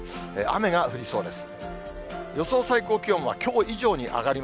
雨が降りそうです。